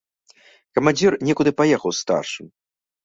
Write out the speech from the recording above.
Камандзір некуды паехаў з старшым.